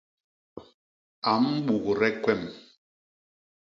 A mbugde kwem.